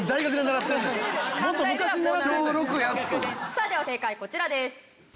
さあでは正解こちらです。